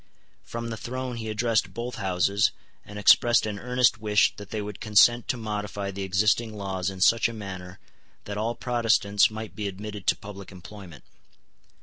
From the throne he addressed both Houses, and expressed an earnest wish that they would consent to modify the existing laws in such a manner that all Protestants might be admitted to public employment.